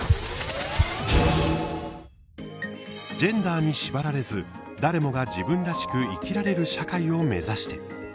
ジェンダーに縛られず誰もが自分らしく生きられる社会を目指して。